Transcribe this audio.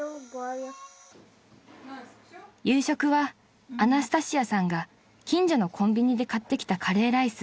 ［夕食はアナスタシアさんが近所のコンビニで買ってきたカレーライス］